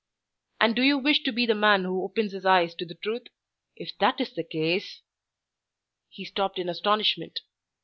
And do you wish to be the man who opens his eyes to the truth? If that is the case " He stopped in astonishment.